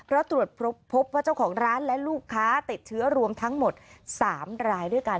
แล้วตรวจพบว่าเจ้าของร้านและลูกค้าติดเชื้อรวมทั้งหมด๓รายด้วยกัน